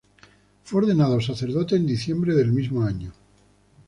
Fue ordenado sacerdote en diciembre del mismo año.